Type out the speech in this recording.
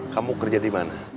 kamu kerja di mana